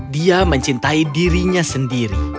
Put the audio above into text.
dia mencintai dirinya sendiri